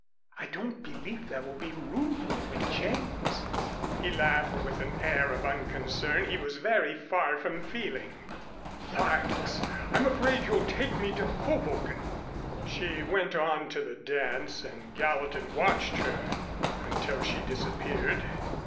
I don't believe there will be room for you in Jane's." He laughed with an air of unconcern he was very far from feeling. "Thanks, I'm afraid you'd take me to Hoboken." She went on to the dance and Gallatin watched her until she disappeared.